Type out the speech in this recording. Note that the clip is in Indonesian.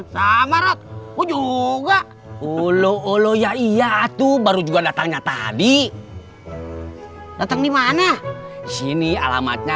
sama rok juga ulo olo ya iya tuh baru juga datangnya tadi datang dimana sini alamatnya